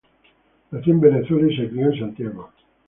Nació en Venezuela y se crio en Santiago.